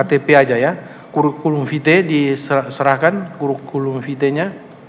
ktp aja ya kurukulum vitae diserahkan kurukulum vitaenya